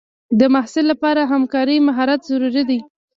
د محصل لپاره همکارۍ مهارت ضروري دی.